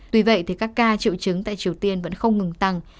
tuy vậy thì các ca triệu chứng tại triều tiên vẫn không ngừng tăng